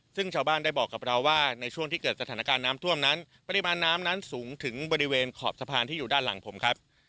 ซึ่งชาวบ้านได้บอกกับเราว่าในช่วงที่เกิดสถานการณ์น้ำท่วมนั้นปริมาณน้ำนั้นสูงถึงบริเวณขอบสะพานที่อยู่ด้านหลังผมครับ